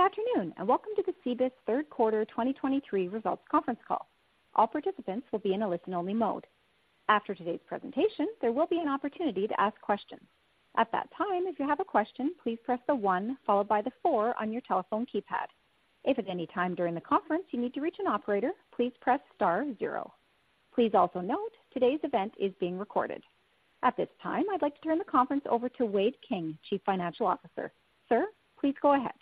Good afternoon, and welcome to the Cibus third quarter 2023 results conference call. All participants will be in a listen-only mode. After today's presentation, there will be an opportunity to ask questions. At that time, if you have a question, please press the one followed by the four on your telephone keypad. If at any time during the conference you need to reach an operator, please press star zero. Please also note, today's event is being recorded. At this time, I'd like to turn the conference over to Wade King, Chief Financial Officer. Sir, please go ahead.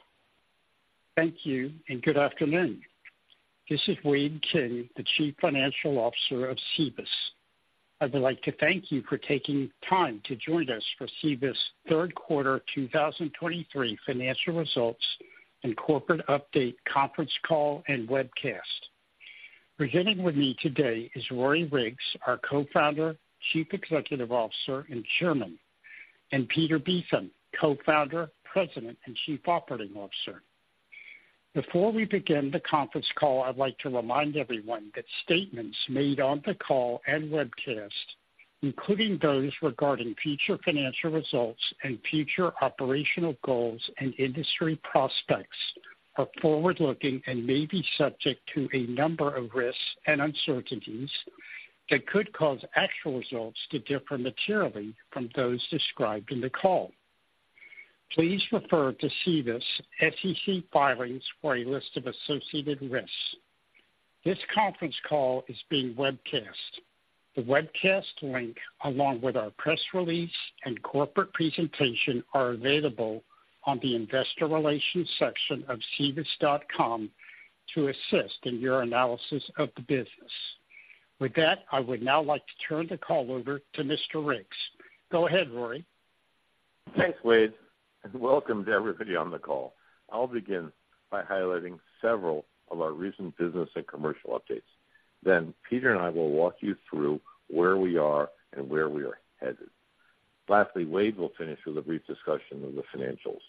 Thank you and good afternoon. This is Wade King, the Chief Financial Officer of Cibus. I would like to thank you for taking time to join us for Cibus third quarter, 2023 financial results and corporate update, conference call, and webcast. Presenting with me today is Rory Riggs, our Co-founder, Chief Executive Officer, and Chairman, and Peter Beetham, Co-founder, President, and Chief Operating Officer. Before we begin the conference call, I'd like to remind everyone that statements made on the call and webcast, including those regarding future financial results and future operational goals and industry prospects, are forward-looking and may be subject to a number of risks and uncertainties that could cause actual results to differ materially from those described in the call. Please refer to Cibus' SEC filings for a list of associated risks. This conference call is being webcast. The webcast link, along with our press release and corporate presentation, are available on the investor relations section of cibus.com to assist in your analysis of the business. With that, I would now like to turn the call over to Mr. Riggs. Go ahead, Rory. Thanks, Wade, and welcome to everybody on the call. I'll begin by highlighting several of our recent business and commercial updates. Then Peter and I will walk you through where we are and where we are headed. Lastly, Wade will finish with a brief discussion of the financials.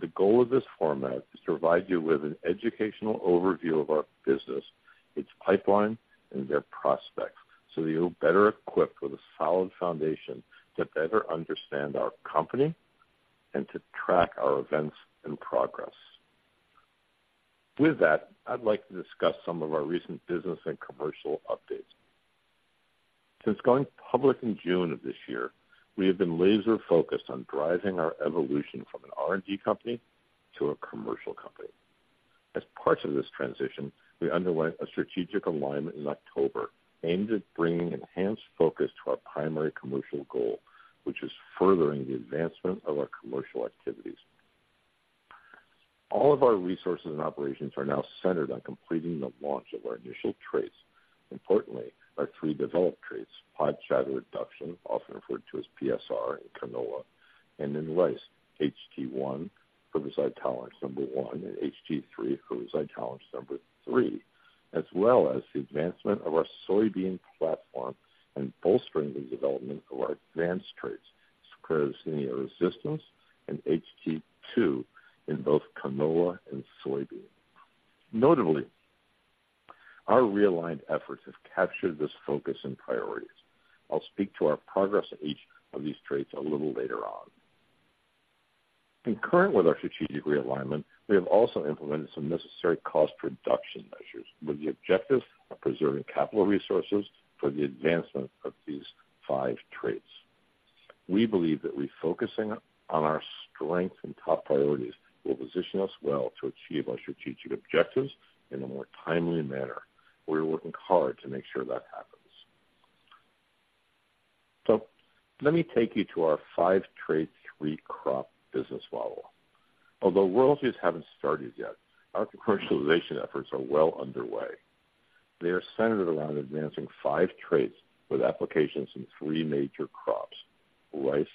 The goal of this format is to provide you with an educational overview of our business, its pipeline, and their prospects, so you're better equipped with a solid foundation to better understand our company and to track our events and progress. With that, I'd like to discuss some of our recent business and commercial updates. Since going public in June of this year, we have been laser-focused on driving our evolution from an R&D company to a commercial company. As part of this transition, we underwent a strategic alignment in October, aimed at bringing enhanced focus to our primary commercial goal, which is furthering the advancement of our commercial activities. All of our resources and operations are now centered on completing the launch of our initial traits. Importantly, our three developed traits, Pod Shatter Reduction, often referred to as PSR in canola, and in rice, HT1, Herbicide Tolerance number 1, and HT3, Herbicide Tolerance number 3, as well as the advancement of our soybean platform and bolstering the development of our advanced traits, Sclerotinia Resistance, and HT2 in both canola and soybean. Notably, our realigned efforts have captured this focus and priorities. I'll speak to our progress of each of these traits a little later on. Concurrent with our strategic realignment, we have also implemented some necessary cost reduction measures with the objective of preserving capital resources for the advancement of these five traits. We believe that refocusing on our strengths and top priorities will position us well to achieve our strategic objectives in a more timely manner. We're working hard to make sure that happens. So let me take you to our five trait, three crop business model. Although royalties haven't started yet, our commercialization efforts are well underway. They are centered around advancing five traits with applications in three major crops, rice,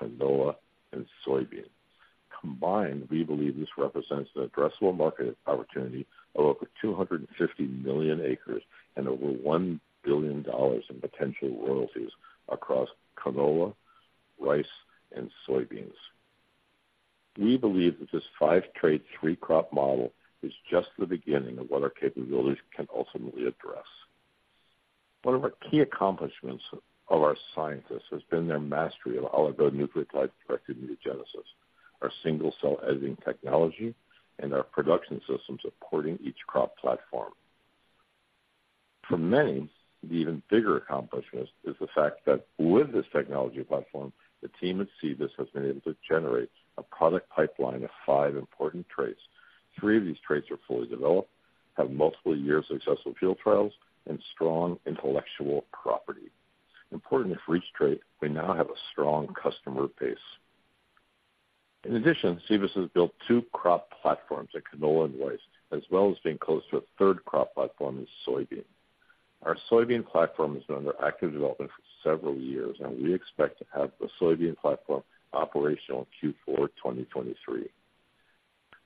canola, and soybean. Combined, we believe this represents an addressable market opportunity of over 250 million acres and over $1 billion in potential royalties across canola, rice, and soybeans. We believe that this five trait, three-crop model is just the beginning of what our capabilities can ultimately address. One of our key accomplishments of our scientists has been their mastery of oligonucleotide-directed mutagenesis, our single-cell editing technology and our production systems supporting each crop platform. For many, the even bigger accomplishment is the fact that with this technology platform, the team at Cibus has been able to generate a product pipeline of five important traits. Three of these traits are fully developed, have multiple years of successful field trials and strong intellectual property. Importantly, for each trait, we now have a strong customer base. In addition, Cibus has built two crop platforms in canola and rice, as well as being close to a third crop platform in soybean. Our soybean platform has been under active development for several years, and we expect to have the soybean platform operational in Q4 2023.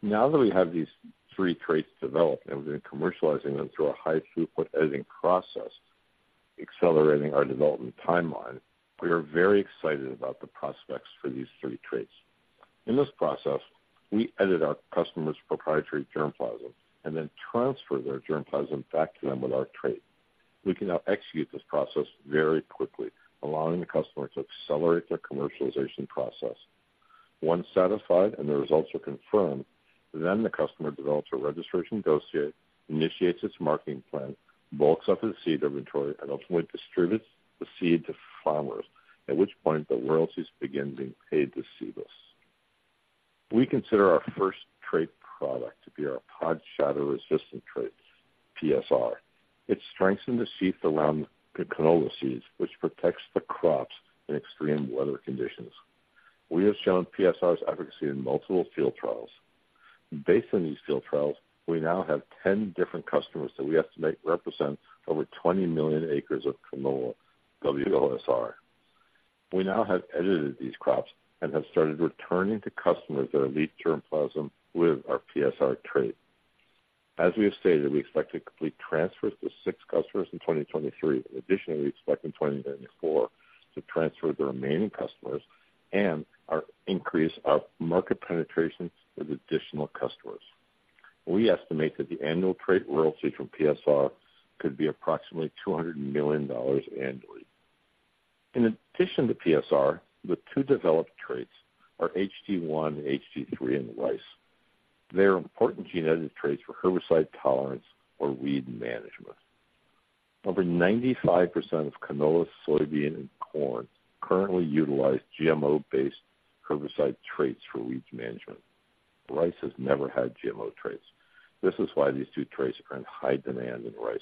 Now that we have these three traits developed and we've been commercializing them through a high-throughput editing process, accelerating our development timeline, we are very excited about the prospects for these three traits. In this process, we edit our customers' proprietary germplasm and then transfer their germplasm back to them with our trait.... We can now execute this process very quickly, allowing the customer to accelerate their commercialization process. Once satisfied and the results are confirmed, then the customer develops a registration dossier, initiates its marketing plan, bulks up its seed inventory, and ultimately distributes the seed to farmers, at which point the royalties begin being paid to Cibus. We consider our first trait product to be our pod shatter-resistant traits, PSR. It strengthens the sheath around the canola seeds, which protects the crops in extreme weather conditions. We have shown PSR's efficacy in multiple field trials. Based on these field trials, we now have 10 different customers that we estimate represent over 20 million acres of canola, WOSR. We now have edited these crops and have started returning to customers their elite germplasm with our PSR trait. As we have stated, we expect to complete transfers to 6 customers in 2023. Additionally, we expect in 2024 to transfer the remaining customers and our increase our market penetrations with additional customers. We estimate that the annual trait royalty from PSR could be approximately $200 million annually. In addition to PSR, the two developed traits are HT1 and HT3 in rice. They are important gene-edited traits for Herbicide Tolerance or weed management. Over 95% of canola, soybean, and corn currently utilize GMO-based herbicide traits for weeds management. Rice has never had GMO traits. This is why these two traits are in high demand in rice.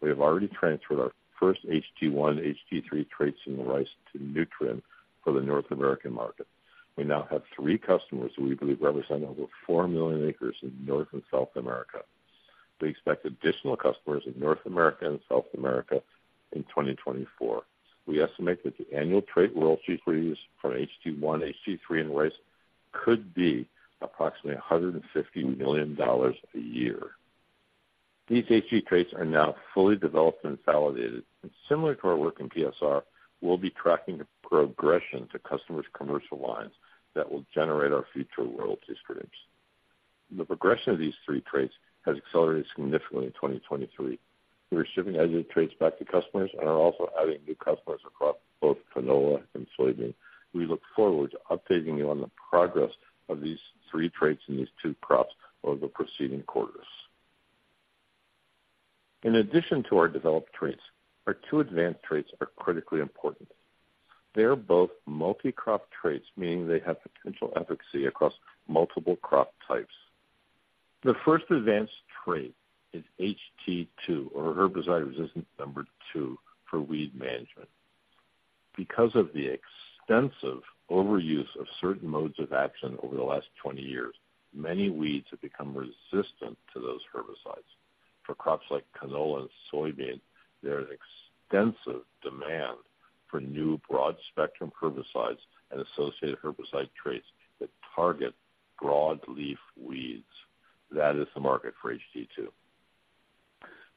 We have already transferred our first HT1, HT3 traits in rice to Nutrien for the North American market. We now have three customers who we believe represent over 4 million acres in North and South America. We expect additional customers in North America and South America in 2024. We estimate that the annual trait royalties we use from HT1, HT3 in rice could be approximately $150 million a year. These HT traits are now fully developed and validated, and similar to our work in PSR, we'll be tracking the progression to customers' commercial lines that will generate our future royalty streams. The progression of these three traits has accelerated significantly in 2023. We are shipping edited traits back to customers and are also adding new customers across both canola and soybean. We look forward to updating you on the progress of these three traits in these two crops over the proceeding quarters. In addition to our developed traits, our two advanced traits are critically important. They are both multi-crop traits, meaning they have potential efficacy across multiple crop types. The first advanced trait is HT2, or herbicide resistance number two, for weed management. Because of the extensive overuse of certain modes of action over the last 20 years, many weeds have become resistant to those herbicides. For crops like canola and soybean, there is extensive demand for new broad-spectrum herbicides and associated herbicide traits that target broadleaf weeds. That is the market for HT2.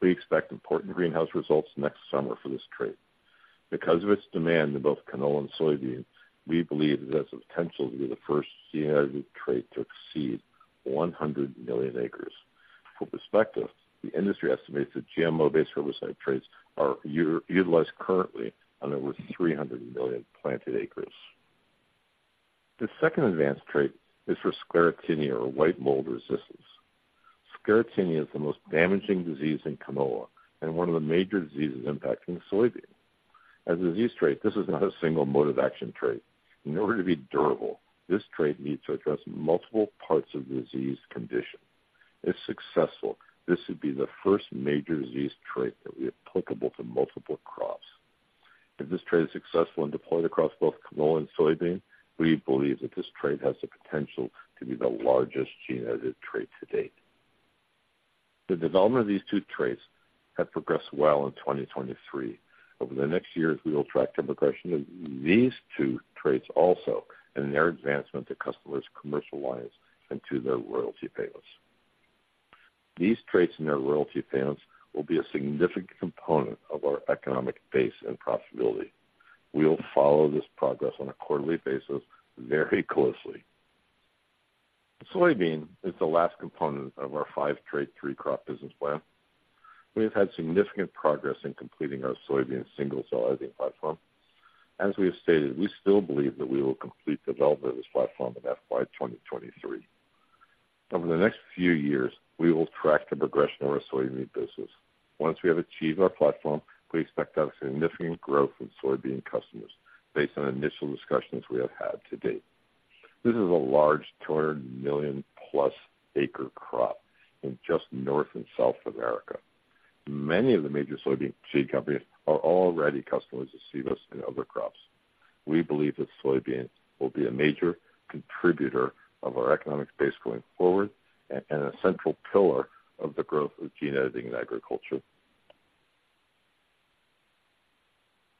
We expect important greenhouse results next summer for this trait. Because of its demand in both canola and soybean, we believe it has the potential to be the first gene-edited trait to exceed 100 million acres. For perspective, the industry estimates that GMO-based herbicide traits are utilized currently on over 300 million planted acres. The second advanced trait is for Sclerotinia, or white mold resistance. Sclerotinia is the most damaging disease in canola and one of the major diseases impacting soybean. As a disease trait, this is not a single mode-of-action trait. In order to be durable, this trait needs to address multiple parts of the disease condition. If successful, this would be the first major disease trait that be applicable to multiple crops. If this trait is successful and deployed across both canola and soybean, we believe that this trait has the potential to be the largest gene-edited trait to date. The development of these two traits have progressed well in 2023. Over the next years, we will track the progression of these two traits also and their advancement to customers' commercial lines and to their royalty payments. These traits and their royalty payments will be a significant component of our economic base and profitability. We will follow this progress on a quarterly basis very closely. Soybean is the last component of our five-trait, three-crop business plan. We have had significant progress in completing our soybean single cell editing platform. As we have stated, we still believe that we will complete development of this platform in FY 2023. Over the next few years, we will track the progression of our soybean business. Once we have achieved our platform, we expect to have significant growth in soybean customers based on initial discussions we have had to date. This is a large, 200 million-plus acre crop in just North and South America. Many of the major soybean seed companies are already customers of Cibus in other crops. We believe that soybeans will be a major contributor of our economic space going forward and a central pillar of the growth of gene editing in agriculture.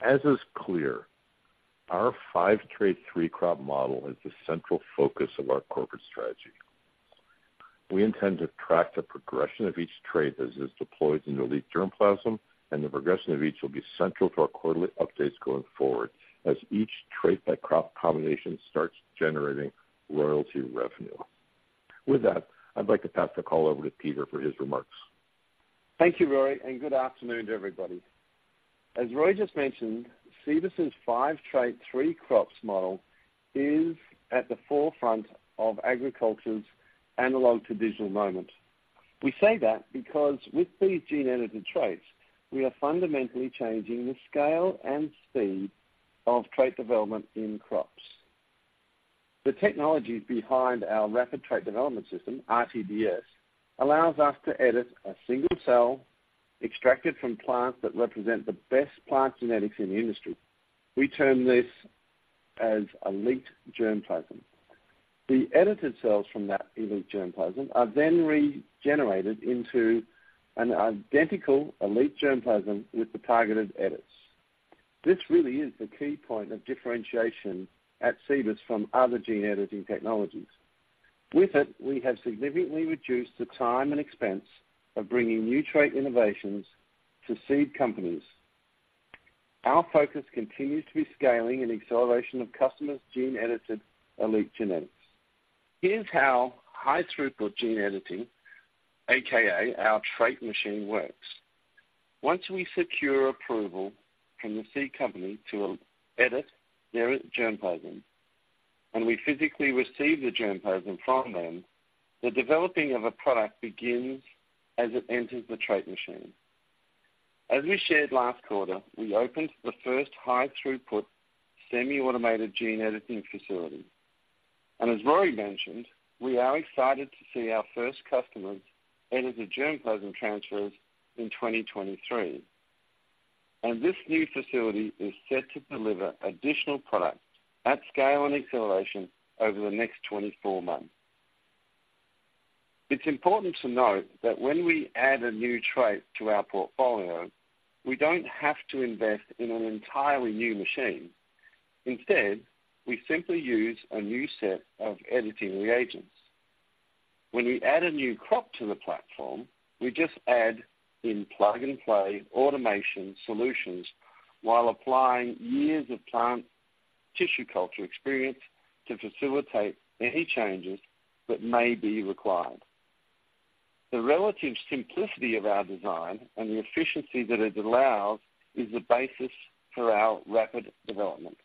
As is clear, our five-trait, three-crop model is the central focus of our corporate strategy. We intend to track the progression of each trait as is deployed in the elite germplasm, and the progression of each will be central to our quarterly updates going forward as each trait-by-crop combination starts generating royalty revenue.... With that, I'd like to pass the call over to Peter for his remarks. Thank you, Rory, and good afternoon to everybody. As Rory just mentioned, Cibus's five trait, three crops model is at the forefront of agriculture's analog-to-digital moment. We say that because with these gene-edited traits, we are fundamentally changing the scale and speed of trait development in crops. The technologies behind our Rapid Trait Development System, RTDS, allows us to edit a single cell extracted from plants that represent the best plant genetics in the industry. We term this as elite germplasm. The edited cells from that elite germplasm are then regenerated into an identical elite germplasm with the targeted edits. This really is the key point of differentiation at Cibus from other gene editing technologies. With it, we have significantly reduced the time and expense of bringing new trait innovations to seed companies. Our focus continues to be scaling and acceleration of customers' gene-edited elite genetics. Here's how high-throughput gene editing, AKA our Trait Machine, works. Once we secure approval from the seed company to edit their germplasm, and we physically receive the germplasm from them, the developing of a product begins as it enters the Trait Machine. As we shared last quarter, we opened the first high-throughput, semi-automated gene editing facility. As Rory mentioned, we are excited to see our first customers edited germplasm transfers in 2023. This new facility is set to deliver additional products at scale and acceleration over the next 24 months. It's important to note that when we add a new trait to our portfolio, we don't have to invest in an entirely new machine. Instead, we simply use a new set of editing reagents. When we add a new crop to the platform, we just add in plug-and-play automation solutions while applying years of plant tissue culture experience to facilitate any changes that may be required. The relative simplicity of our design and the efficiency that it allows is the basis for our rapid development,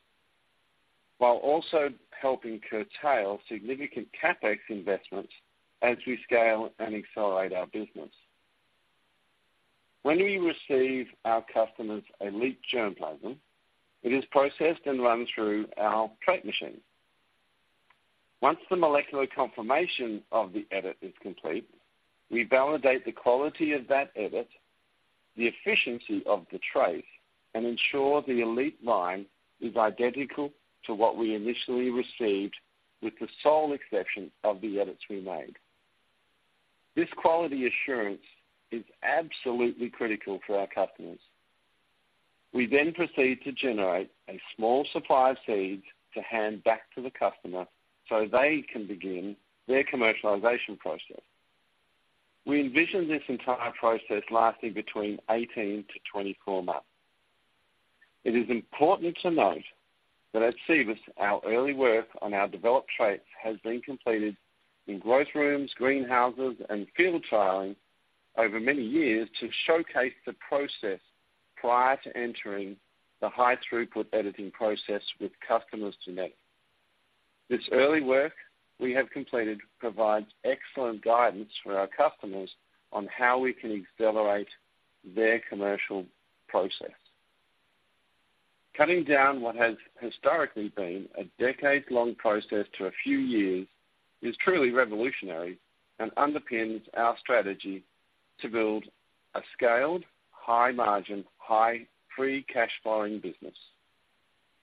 while also helping curtail significant CapEx investments as we scale and accelerate our business. When we receive our customer's elite germplasm, it is processed and run through our Trait Machine. Once the molecular confirmation of the edit is complete, we validate the quality of that edit, the efficiency of the trait, and ensure the elite line is identical to what we initially received, with the sole exception of the edits we made. This quality assurance is absolutely critical for our customers. We then proceed to generate a small supply of seeds to hand back to the customer, so they can begin their commercialization process. We envision this entire process lasting between 18-24 months. It is important to note that at Cibus, our early work on our developed traits has been completed in growth rooms, greenhouses, and field trialing over many years to showcase the process prior to entering the high-throughput editing process with customers to date. This early work we have completed provides excellent guidance for our customers on how we can accelerate their commercial process. Cutting down what has historically been a decades-long process to a few years is truly revolutionary and underpins our strategy to build a scaled, high-margin, high free cash flowing business.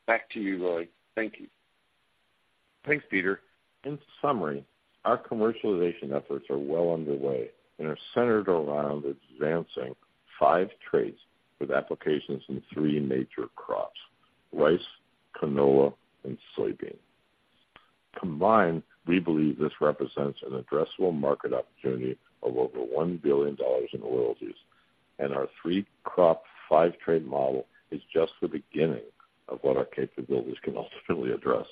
Back to you, Rory. Thank you. Thanks, Peter. In summary, our commercialization efforts are well underway and are centered around advancing five traits with applications in three major crops, rice, canola, and soybean. Combined, we believe this represents an addressable market opportunity of over $1 billion in royalties, and our three-crop, five-trait model is just the beginning of what our capabilities can ultimately address.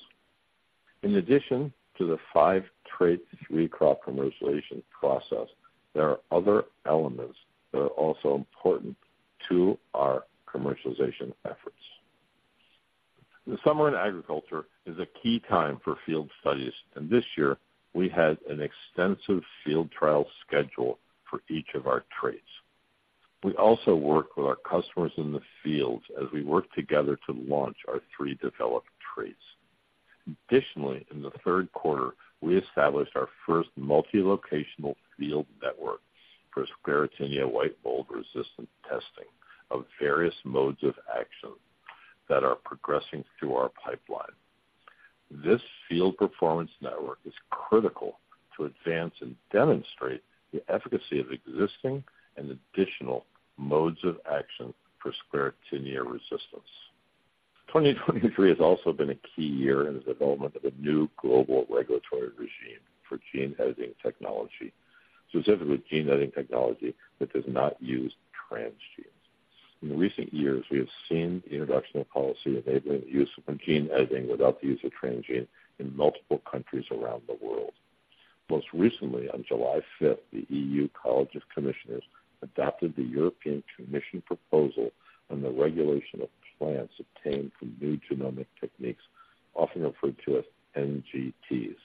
In addition to the five-trait, three-crop commercialization process, there are other elements that are also important to our commercialization efforts. The summer in agriculture is a key time for field studies, and this year we had an extensive field trial schedule for each of our traits. We also work with our customers in the fields as we work together to launch our three developed traits. Additionally, in the third quarter, we established our first multi-locational field network for Sclerotinia white mold-resistant testing of various modes of action that are progressing through our pipeline. This field performance network is critical to advance and demonstrate the efficacy of existing and additional modes of action for Sclerotinia Resistance. 2023 has also been a key year in the development of a new global regulatory regime for gene editing technology, specifically gene editing technology that does not use transgenes. In recent years, we have seen the introduction of policy enabling the use of gene editing without the use of transgene in multiple countries around the world. Most recently, on July 5, the EU College of Commissioners adopted the European Commission proposal on the regulation of plants obtained from new genomic techniques, often referred to as NGTs.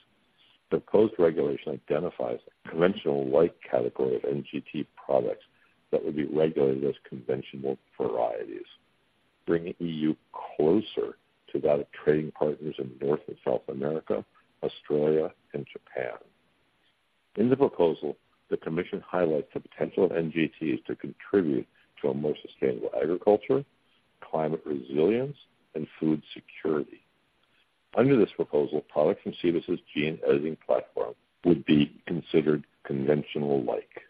The proposed regulation identifies a conventional-like category of NGT products that would be regulated as conventional varieties, bringing EU closer to that of trading partners in North and South America, Australia, and Japan. In the proposal, the commission highlights the potential of NGTs to contribute to a more sustainable agriculture, climate resilience, and food security. Under this proposal, products from Cibus's gene editing platform would be considered conventional-like.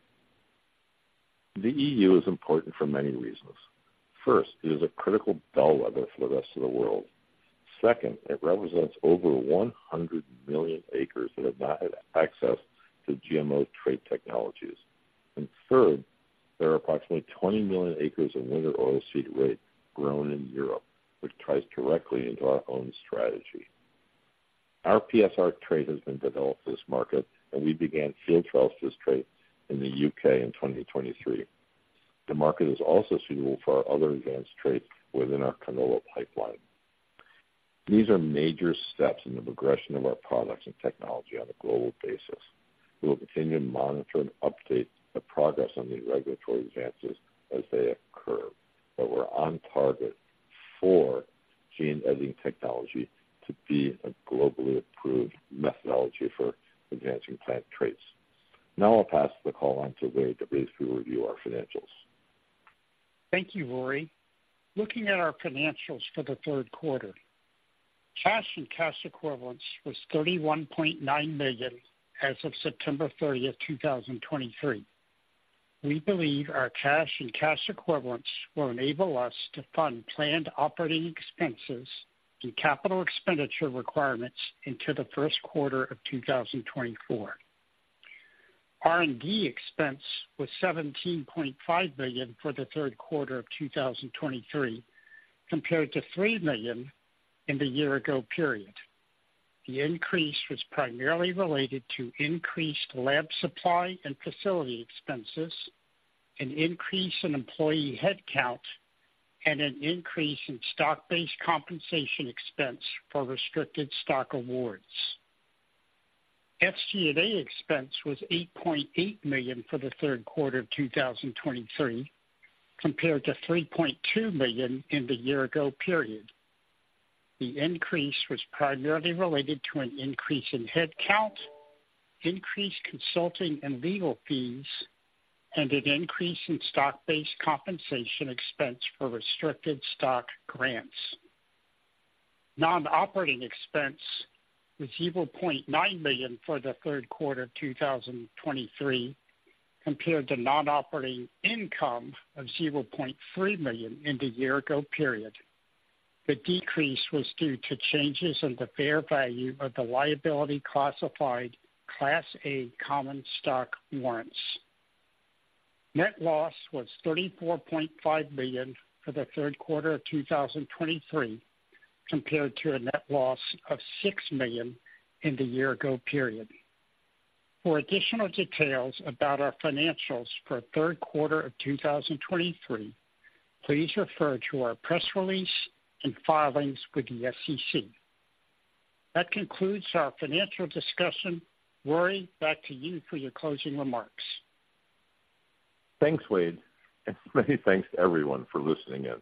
The EU is important for many reasons. First, it is a critical bellwether for the rest of the world. Second, it represents over 100 million acres that have not had access to GMO trait technologies. And third, there are approximately 20 million acres of Winter Oilseed Rape grown in Europe, which ties directly into our own strategy. Our PSR trait has been developed for this market, and we began field trials for this trait in the U.K. in 2023. The market is also suitable for our other advanced traits within our canola pipeline. These are major steps in the progression of our products and technology on a global basis. We will continue to monitor and update the progress on these regulatory advances as they occur, but we're on target for gene editing technology to be a globally approved methodology for advancing plant traits. Now I'll pass the call on to Wade to briefly review our financials. Thank you, Rory. Looking at our financials for the third quarter, cash and cash equivalents was $31.9 million as of September 30, 2023. We believe our cash and cash equivalents will enable us to fund planned operating expenses and capital expenditure requirements into the first quarter of 2024. R&D expense was $17.5 million for the third quarter of 2023, compared to $3 million in the year-ago period. The increase was primarily related to increased lab supply and facility expenses, an increase in employee headcount, and an increase in stock-based compensation expense for restricted stock awards. SG&A expense was $8.8 million for the third quarter of 2023, compared to $3.2 million in the year-ago period. The increase was primarily related to an increase in headcount, increased consulting and legal fees, and an increase in stock-based compensation expense for restricted stock grants. Non-operating expense was $0.9 million for the third quarter of 2023, compared to non-operating income of $0.3 million in the year-ago period. The decrease was due to changes in the fair value of the liability classified Class A common stock warrants. Net loss was $34.5 million for the third quarter of 2023, compared to a net loss of $6 million in the year-ago period. For additional details about our financials for third quarter of 2023, please refer to our press release and filings with the SEC. That concludes our financial discussion. Rory, back to you for your closing remarks. Thanks, Wade, and many thanks to everyone for listening in.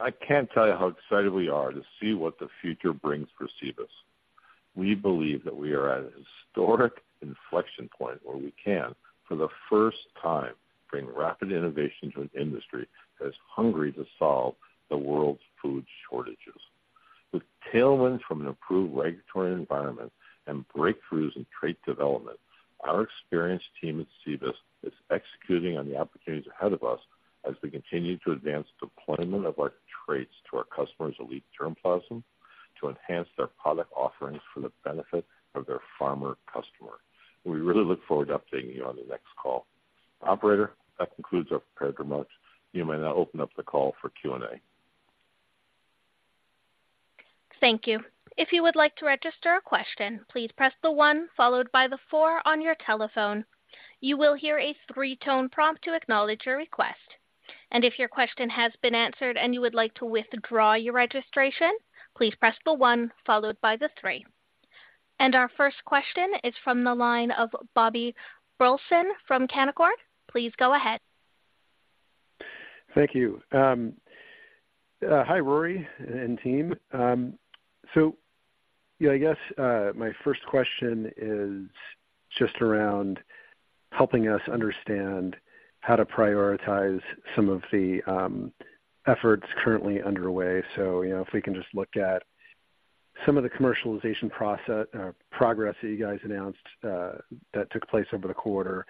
I can't tell you how excited we are to see what the future brings for Cibus. We believe that we are at a historic inflection point where we can, for the first time, bring rapid innovation to an industry that is hungry to solve the world's food shortages. With tailwinds from an improved regulatory environment and breakthroughs in trait development, our experienced team at Cibus is executing on the opportunities ahead of us as we continue to advance deployment of our traits to our customers' elite germplasm to enhance their product offerings for the benefit of their farmer customer. We really look forward to updating you on the next call. Operator, that concludes our prepared remarks. You may now open up the call for Q&A. Thank you. If you would like to register a question, please press 1 followed by 4 on your telephone. You will hear a three-tone prompt to acknowledge your request. If your question has been answered and you would like to withdraw your registration, please press one followed by three. Our first question is from the line of Bobby Burleson from Canaccord. Please go ahead. Thank you. Hi, Rory and team. So, yeah, I guess, my first question is just around helping us understand how to prioritize some of the efforts currently underway. So, you know, if we can just look at some of the commercialization process progress that you guys announced, that took place over the quarter,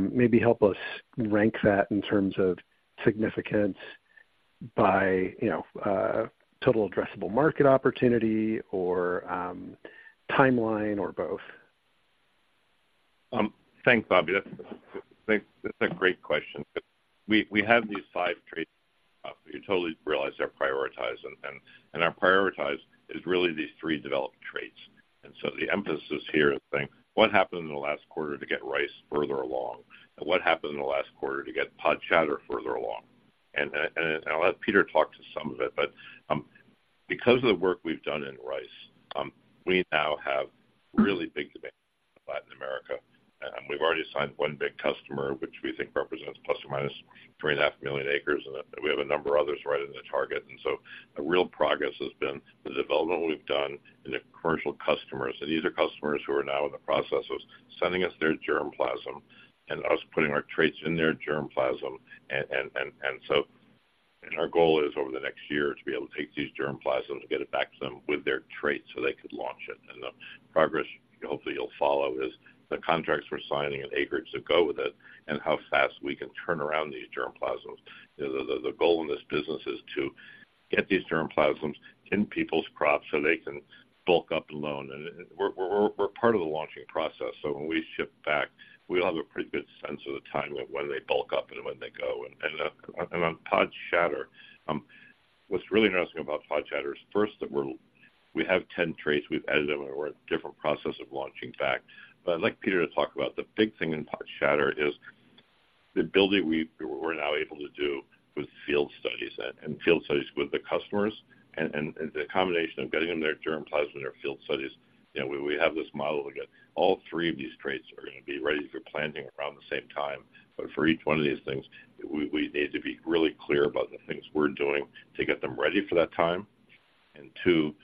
maybe help us rank that in terms of significance by, you know, total addressable market opportunity or, timeline, or both?... Thanks, Bobby. That's, I think that's a great question. We have these five traits. You totally realize they're prioritized, and our prioritized is really these three development traits. And so the emphasis here is saying, what happened in the last quarter to get rice further along? And what happened in the last quarter to get pod shatter further along? And I'll let Peter talk to some of it, but because of the work we've done in rice, we now have really big demand in Latin America, and we've already signed one big customer, which we think represents ±3.5 million acres, and we have a number of others right in the target. And so the real progress has been the development we've done in the commercial customers. These are customers who are now in the process of sending us their germplasm and us putting our traits in their germplasm. And our goal is, over the next year, to be able to take these germplasm to get it back to them with their traits so they could launch it. And the progress, hopefully, you'll follow, is the contracts we're signing and acres that go with it and how fast we can turn around these germplasms. The goal in this business is to get these germplasms in people's crops so they can bulk up the loan. And we're part of the launching process, so when we ship back, we'll have a pretty good sense of the timing of when they bulk up and when they go. On pod shatter, what's really interesting about pod shatter is first, that we have 10 traits. We've edited them, and we're in a different process of launching back. But I'd like Peter to talk about the big thing in pod shatter is the building we're now able to do with field studies and field studies with the customers, and the combination of getting them their germplasm and their field studies. You know, we have this model, again, all three of these traits are going to be ready for planting around the same time. But for each one of these things, we need to be really clear about the things we're doing to get them ready for that time. And two,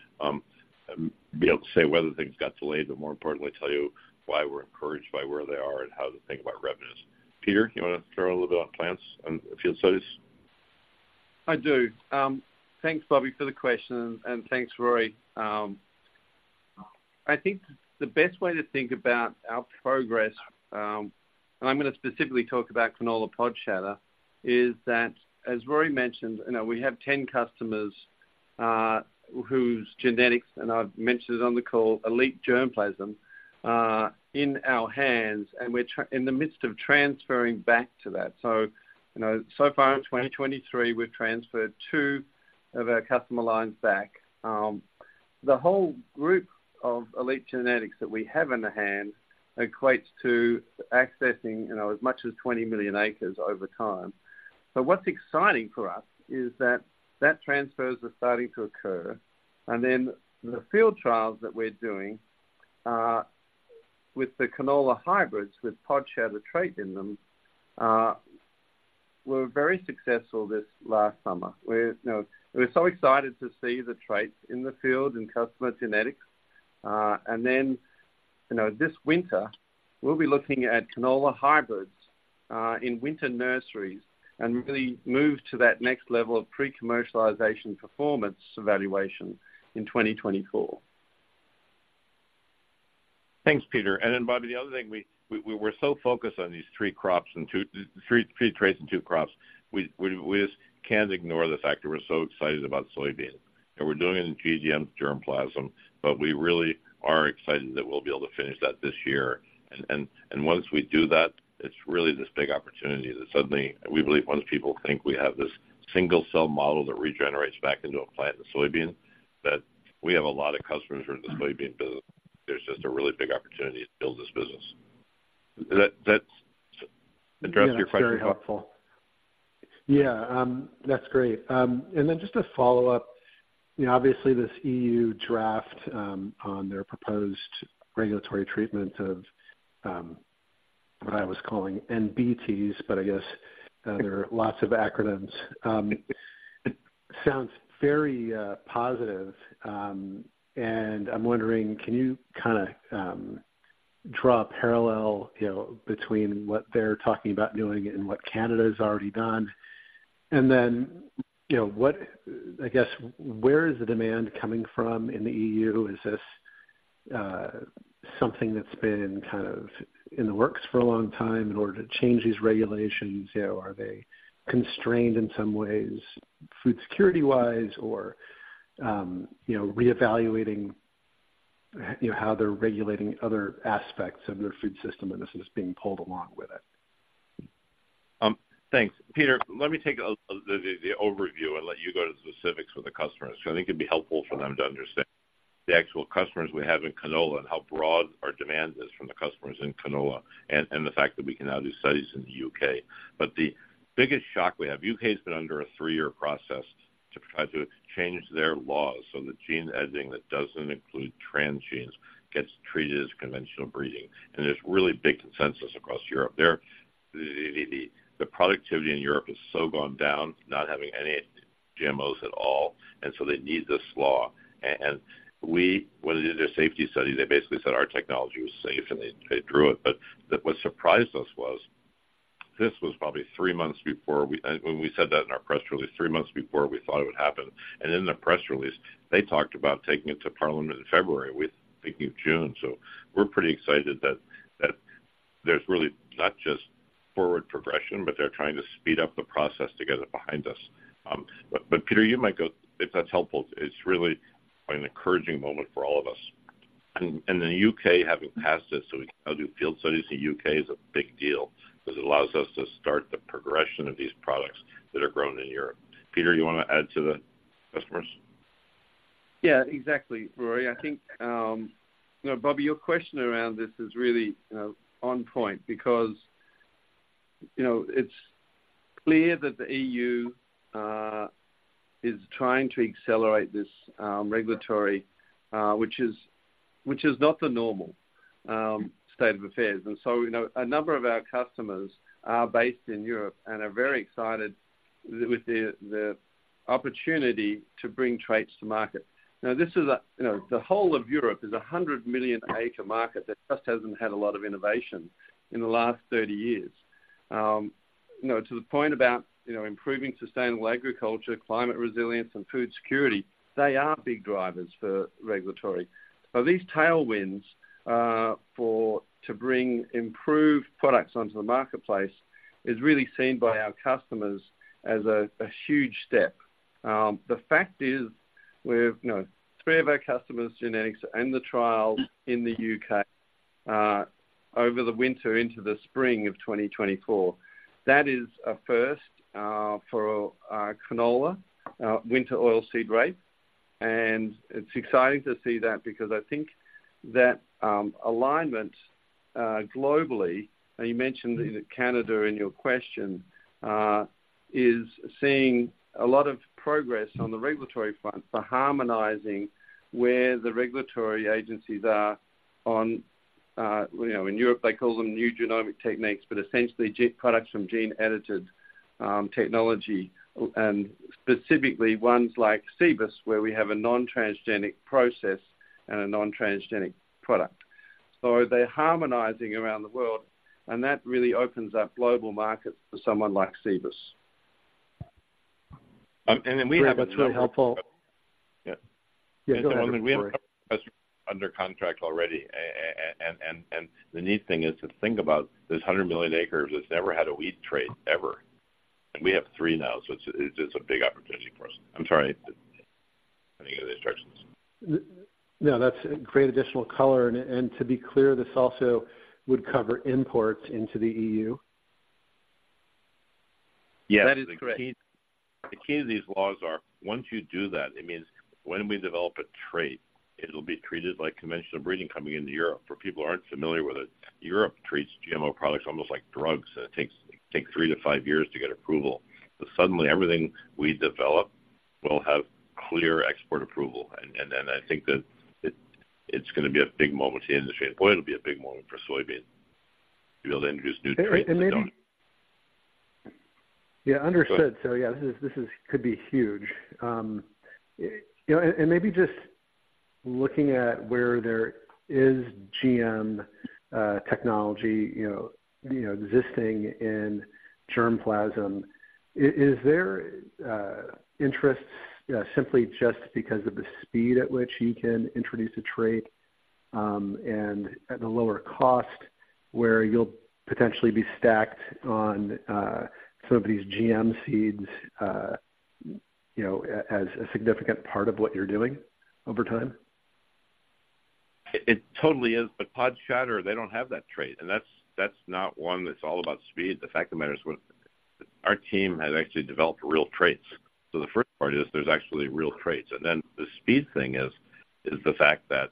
be able to say whether things got delayed, but more importantly, tell you why we're encouraged by where they are and how to think about revenues. Peter, you want to throw a little bit on plants and field studies? I do. Thanks, Bobby, for the question, and thanks, Rory. I think the best way to think about our progress, and I'm going to specifically talk about canola pod shatter, is that, as Rory mentioned, you know, we have 10 customers whose genetics, and I've mentioned this on the call, elite germplasm, in our hands, and we're in the midst of transferring back to that. So, you know, so far in 2023, we've transferred 2 of our customer lines back. The whole group of elite genetics that we have in hand equates to accessing, you know, as much as 20 million acres over time. So what's exciting for us is that, that transfers are starting to occur, and then the field trials that we're doing, with the canola hybrids, with pod shatter trait in them, were very successful this last summer. We're, you know, we're so excited to see the traits in the field and customer genetics. And then, you know, this winter, we'll be looking at canola hybrids, in winter nurseries and really move to that next level of pre-commercialization performance evaluation in 2024. Thanks, Peter. And then, Bobby, the other thing, we're so focused on these three crops and three traits and two crops, we just can't ignore the fact that we're so excited about soybeans. And once we do that, it's really this big opportunity that suddenly, we believe once people think we have this single cell model that regenerates back into a plant in the soybean, that we have a lot of customers who are in the soybean business. There's just a really big opportunity to build this business. That addresses your question? Yeah, that's very helpful. Yeah, that's great. And then just to follow up, you know, obviously this EU draft on their proposed regulatory treatment of what I was calling NBTs, but I guess there are lots of acronyms. It sounds very positive, and I'm wondering, can you kind of draw a parallel, you know, between what they're talking about doing and what Canada has already done? And then, you know, what—I guess, where is the demand coming from in the EU? Is this something that's been kind of in the works for a long time in order to change these regulations? You know, are they constrained in some ways, food security-wise, or, you know, reevaluating, you know, how they're regulating other aspects of their food system, and this is being pulled along with it? Thanks. Peter, let me take the overview and let you go to the specifics with the customers. So I think it'd be helpful for them to understand the actual customers we have in canola and how broad our demand is from the customers in canola and the fact that we can now do studies in the U.K. But the biggest shock we have, U.K. has been under a three-year process to try to change their laws so the gene editing that doesn't include transgenes gets treated as conventional breeding, and there's really big consensus across Europe. The productivity in Europe has so gone down, not having any GMOs at all, and so they need this law. And we, when they did their safety study, they basically said our technology was safe, and they drew it. But what surprised us was, this was probably three months before we and when we said that in our press release, three months before we thought it would happen. And in the press release, they talked about taking it to Parliament in February. We're thinking of June. So we're pretty excited that there's really not just forward progression, but they're trying to speed up the process to get it behind us. But Peter, you might go if that's helpful. It's really an encouraging moment for all of us. And the U.K. having passed it so we can now do field studies in the U.K. is a big deal because it allows us to start the progression of these products that are grown in Europe. Peter, you want to add to the customers? Yeah, exactly, Rory. I think, you know, Bobby, your question around this is really, you know, on point because, you know, it's clear that the EU is trying to accelerate this regulatory, which is, which is not the normal state of affairs. And so, you know, a number of our customers are based in Europe and are very excited with the opportunity to bring traits to market. Now, this is a, you know, the whole of Europe is a 100 million acre market that just hasn't had a lot of innovation in the last 30 years. You know, to the point about, you know, improving sustainable agriculture, climate resilience, and food security, they are big drivers for regulatory. So these tailwinds to bring improved products onto the marketplace is really seen by our customers as a huge step. The fact is, we've, you know, three of our customers genetics and the trials in the U.K., over the winter into the spring of 2024. That is a first for canola, winter oilseed rape, and it's exciting to see that because I think that alignment globally, and you mentioned Canada in your question is seeing a lot of progress on the regulatory front for harmonizing where the regulatory agencies are on, you know, in Europe, they call them new genomic techniques, but essentially, products from gene-edited technology, and specifically ones like Cibus, where we have a non-transgenic process and a non-transgenic product. So they're harmonizing around the world, and that really opens up global markets for someone like Cibus. And then we have- That's really helpful. Yeah. Yeah, go ahead. We have under contract already, and the neat thing is to think about this 100 million acres that's never had a wheat trait, ever, and we have 3 now, so it's a big opportunity for us. I'm sorry, I need the instructions. No, that's great additional color. And to be clear, this also would cover imports into the EU? Yeah, that is correct. The key to these laws are, once you do that, it means when we develop a trait, it'll be treated like conventional breeding coming into Europe. For people who aren't familiar with it, Europe treats GMO products almost like drugs, and it takes three to five years to get approval. So suddenly everything we develop will have clear export approval. And then I think that it's gonna be a big moment in the industry, and, boy, it'll be a big moment for soybean to be able to introduce new traits. Yeah, understood. So yeah, this could be huge. You know, and maybe just looking at where there is GM technology, you know, existing in germplasm, is there interests simply just because of the speed at which you can introduce a trait, and at the lower cost, where you'll potentially be stacked on some of these GM seeds, you know, as a significant part of what you're doing over time? It, it totally is, but pod shatter, they don't have that trait, and that's, that's not one that's all about speed. The fact of the matter is, our team has actually developed real traits. So the first part is there's actually real traits, and then the speed thing is the fact that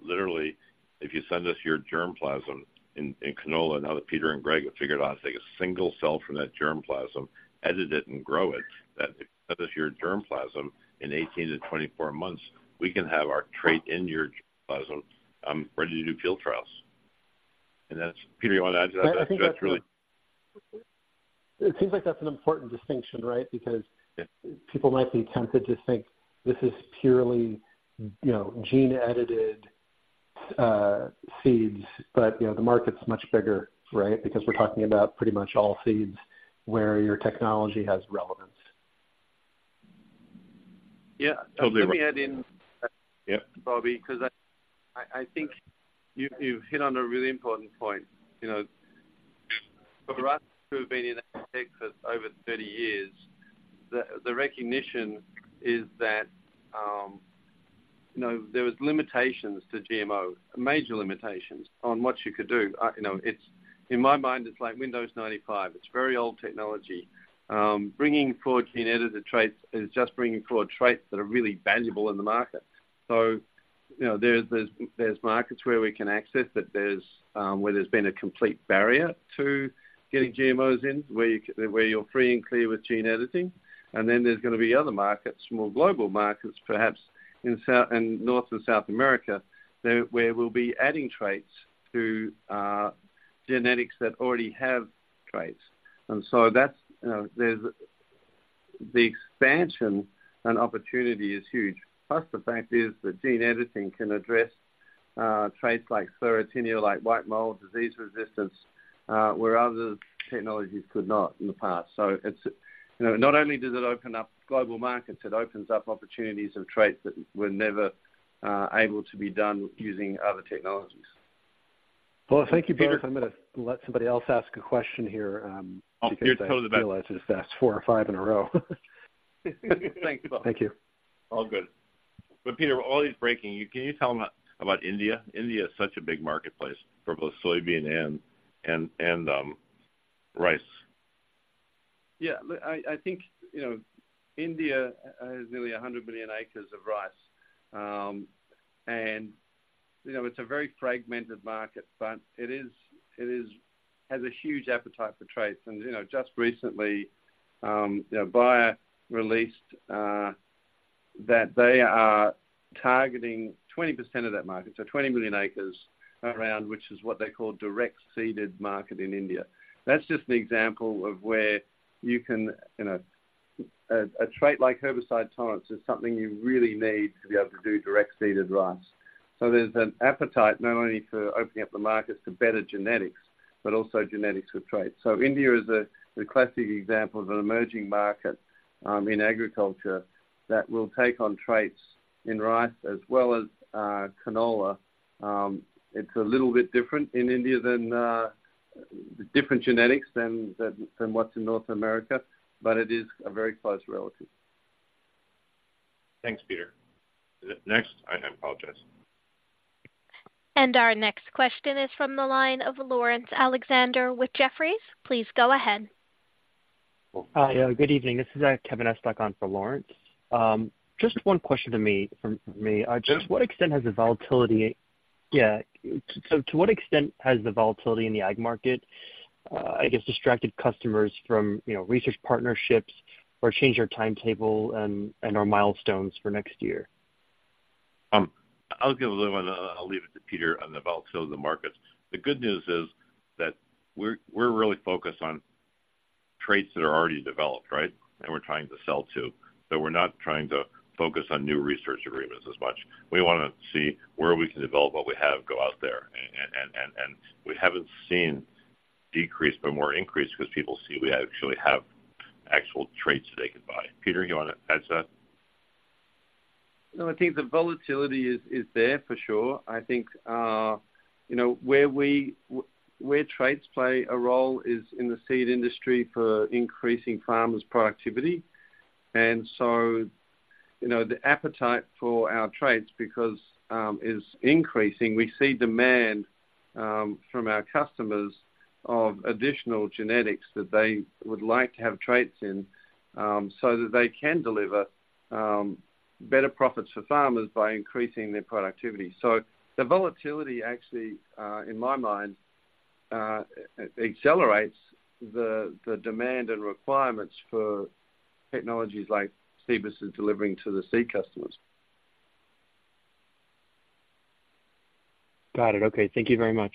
literally, if you send us your germplasm in canola, now that Peter and Greg have figured out how to take a single cell from that germplasm, edit it, and grow it, that if you send us your germplasm in 18-24 months, we can have our trait in your germplasm, ready to do field trials. And that's... Peter, you want to add to that? That's really- It seems like that's an important distinction, right? Because- Yeah... people might be tempted to think this is purely, you know, gene-edited seeds, but, you know, the market's much bigger, right? Because we're talking about pretty much all seeds where your technology has relevance. Yeah. Totally. Let me add in, Yeah. Bobby, because I think you've hit on a really important point. You know, for us who have been in for over 30 years, the recognition is that, you know, there was limitations to GMO, major limitations on what you could do. You know, it's, in my mind, it's like Windows 95. It's very old technology. Bringing forward gene-edited traits is just bringing forward traits that are really valuable in the market. So, you know, there's markets where we can access, that there's, where there's been a complete barrier to getting GMOs in, where you're free and clear with gene editing. And then there's gonna be other markets, more global markets, perhaps in South, in North and South America, where we'll be adding traits to, genetics that already have traits. And so that's, you know, there's the expansion and opportunity is huge. Plus, the fact is that gene editing can address traits like Sclerotinia, like white mold, disease resistance, where other technologies could not in the past. So it's, you know, not only does it open up global markets, it opens up opportunities of traits that were never able to be done using other technologies.... Well, thank you, Peter. I'm gonna let somebody else ask a question here, Oh, you're totally better. I realize that's four or five in a row. Thank you both. Thank you. All good. But Peter, while he's breaking, you, can you tell him about India? India is such a big marketplace for both soybean and rice. Yeah, look, I think, you know, India has nearly 100 million acres of rice. And, you know, it's a very fragmented market, but it has a huge appetite for traits. And, you know, just recently, you know, Bayer released that they are targeting 20% of that market. So 20 million acres around, which is what they call direct seeded market in India. That's just an example of where you can, you know, a trait like Herbicide Tolerance is something you really need to be able to do direct seeded rice. So there's an appetite not only for opening up the markets to better genetics, but also genetics with traits. So India is a classic example of an emerging market in agriculture that will take on traits in rice as well as canola. It's a little bit different in India than different genetics than what's in North America, but it is a very close relative. Thanks, Peter. Next? I apologize. Our next question is from the line of Laurence Alexander with Jefferies. Please go ahead. Hi, good evening. This is Kevin S. standing in for Laurence. Just one question from me. Sure. So, to what extent has the volatility in the ag market, I guess, distracted customers from, you know, research partnerships or changed our timetable and our milestones for next year? I'll give a little, and I'll leave it to Peter on the volatility of the markets. The good news is that we're really focused on traits that are already developed, right? And we're trying to sell to, so we're not trying to focus on new research agreements as much. We wanna see where we can develop what we have go out there. We haven't seen decrease, but more increase because people see we actually have actual traits they can buy. Peter, you wanna add to that? No, I think the volatility is there for sure. I think, you know, where we where traits play a role is in the seed industry for increasing farmers' productivity. And so, you know, the appetite for our traits because is increasing, we see demand from our customers of additional genetics that they would like to have traits in, so that they can deliver better profits for farmers by increasing their productivity. So the volatility actually in my mind accelerates the demand and requirements for technologies like Cibus is delivering to the seed customers. Got it. Okay. Thank you very much.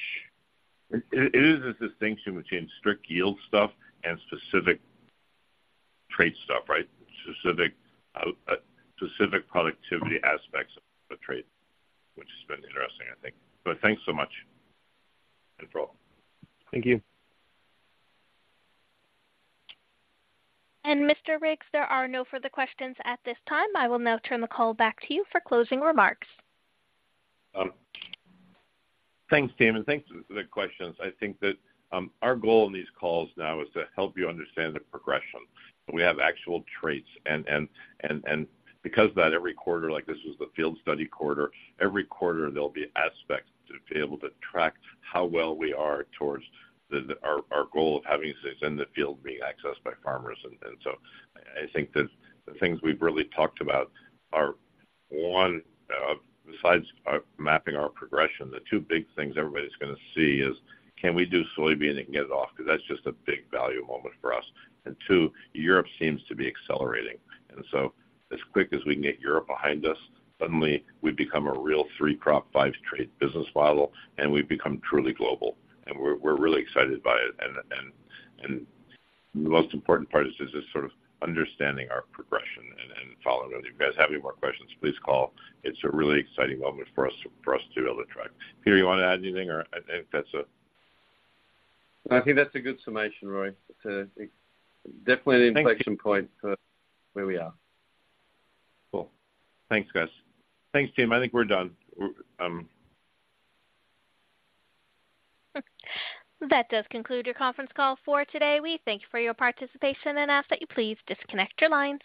It is a distinction between strict yield stuff and specific trait stuff, right? Specific productivity aspects of trait, which has been interesting, I think. But thanks so much, and for all. Thank you. Mr. Riggs, there are no further questions at this time. I will now turn the call back to you for closing remarks. Thanks, team, and thanks for the questions. I think that our goal in these calls now is to help you understand the progression. We have actual traits and, because of that, every quarter, like this is the field study quarter, every quarter there'll be aspects to be able to track how well we are towards our goal of having these things in the field being accessed by farmers. And so I think that the things we've really talked about are, one, besides mapping our progression, the two big things everybody's gonna see is: Can we do soybean and get it off? Because that's just a big value moment for us. And two, Europe seems to be accelerating, and so as quick as we can get Europe behind us, suddenly we become a real three crop, five trait business model, and we've become truly global, and we're, we're really excited by it. And, and, and the most important part is just, sort of, understanding our progression and, and following with you guys. If you have any more questions, please call. It's a really exciting moment for us, for us to be able to track. Peter, you want to add anything, or I think that's it? I think that's a good summation, Rory. Definitely an inflection point for where we are. Cool. Thanks, guys. Thanks, team. I think we're done... That does conclude your conference call for today. We thank you for your participation and ask that you please disconnect your lines.